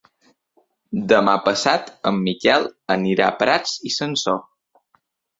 Demà passat en Miquel anirà a Prats i Sansor.